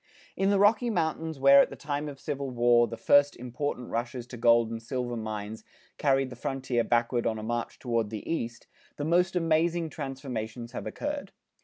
In the Rocky Mountains where at the time of Civil War, the first important rushes to gold and silver mines carried the frontier backward on a march toward the east, the most amazing transformations have occurred.